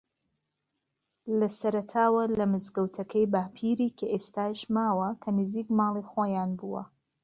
لە سەرەتاوە لە مزگەوتەکەی باپیری کە ئێستاش ماوە کە نزیک ماڵی خۆیان بووە